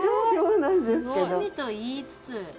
趣味と言いつつ。